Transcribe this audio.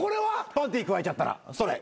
パンティーくわえちゃったらそれ。